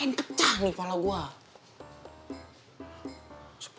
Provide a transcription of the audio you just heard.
pengen kecah nih kepala gue